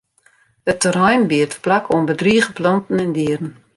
It terrein biedt plak oan bedrige planten en dieren.